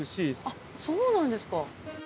あそうなんですか。